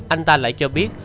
anh ta lại cho biết